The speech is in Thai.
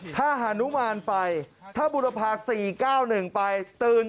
ถ้าหานุมานไปถ้าบุรพา๔๙๑ไปตื่น